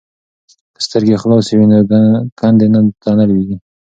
که سترګې خلاصې وي نو کندې ته نه لویږي.